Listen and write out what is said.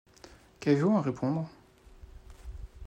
Qu’avez-vous à répondre ?